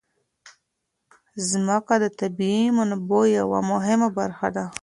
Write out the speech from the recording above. ځمکه د طبیعي منابعو یوه مهمه برخه ده.